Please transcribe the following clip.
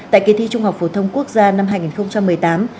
tại kỳ thi trung học phổ thông quốc gia năm hai nghìn một mươi tám